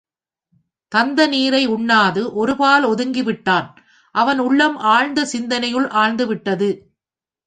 தந்த நீரை உண்ணாது ஒருபால் ஒதுக்கி விட்டான் அவன் உள்ளம் ஆழ்ந்த சிந்தனையுள் ஆழ்ந்து விட்டது.